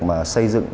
mà xây dựng